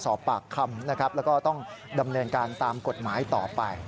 สอบปากคำนะครับแล้วก็ต้องดำเนินการตามกฎหมายต่อไป